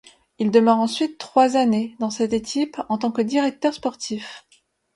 Il demeure ensuite trois années dans cette équipe en tant que directeur sportif.